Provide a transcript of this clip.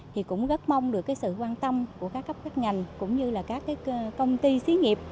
thì cũng rất mong được cái sự quan tâm của các cấp các ngành cũng như là các cái công ty xí nghiệp